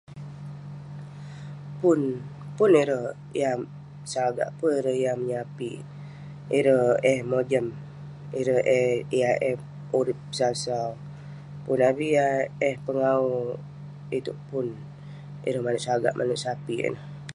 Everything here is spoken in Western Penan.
Pun, pun ireh yah sagak..pun ireh yah menyapik, ireh eh mojam. Ireh eh..yah eh urip sau sau avik yah eh pengawu itouk pun, ireh manouk sagak manouk sapik ineh